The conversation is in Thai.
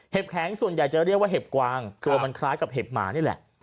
แข็งส่วนใหญ่จะเรียกว่าเห็บกวางตัวมันคล้ายกับเห็บหมานี่แหละ